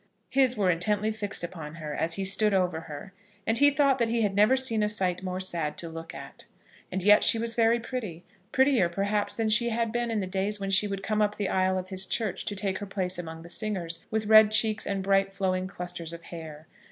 His were intently fixed upon her, as he stood over her, and he thought that he had never seen a sight more sad to look at. And yet she was very pretty, prettier, perhaps, than she had been in the days when she would come up the aisle of his church, to take her place among the singers, with red cheeks and bright flowing clusters of hair.